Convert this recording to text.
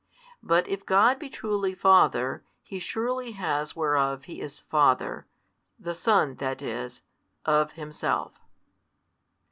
But if God be truly Father, He surely has whereof He is Father, the Son, that is, of Himself.